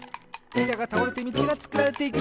いたがたおれてみちがつくられていく！